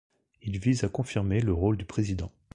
Il vise à confirmer le rôle du président.